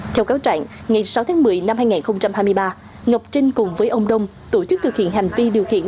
theo cáo trạng ngày sáu tháng một mươi năm hai nghìn hai mươi ba ngọc trinh cùng với ông đông tổ chức thực hiện hành vi điều khiển